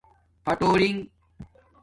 پھٹورنݣہ